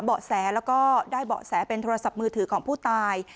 เบาะแสแล้วก็ได้เบาะแสเป็นโทรศัพท์มือถือของผู้ตาย